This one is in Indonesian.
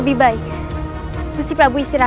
bahkan aku bersumpah